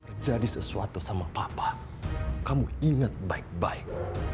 terjadi sesuatu sama papa kamu ingat baik baik